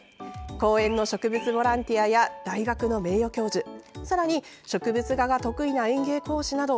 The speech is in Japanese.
公園の植物ボランティアや大学の名誉教授さらに植物画が得意な園芸講師など。